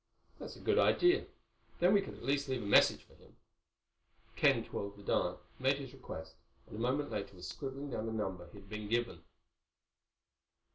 "That's a good idea. Then we could at least leave a message for him." Ken twirled the dial, made his request, and a moment later was scribbling down the number he had been given.